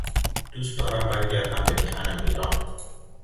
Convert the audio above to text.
دوست دارم برگردم به میهنم ایران.